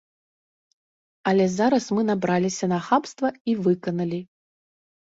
Але зараз мы набраліся нахабства і выканалі.